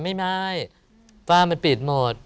ไม่ฝ้ามันปิดหมด